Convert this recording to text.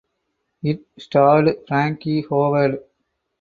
It starred Frankie Howerd.